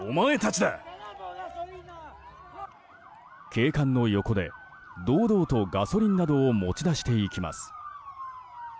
警官の横で堂々とガソリンなどを持ち出していきます。